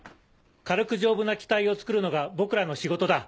軽く丈夫な機体をつくるのが僕らの仕事だ。